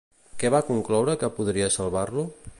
Què va concloure que podria salvar-lo?